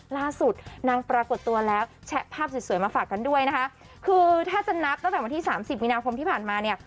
ล่าสุดนางปรากฏตัวแล้วแชะภาพสวยสวยมาฝากกันด้วยนะคะคือถ้าจะนับตั้งแต่วันที่สามสิบมีนาคมที่ผ่านมาเนี่ย